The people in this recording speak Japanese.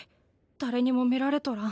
誰にも見られとらん。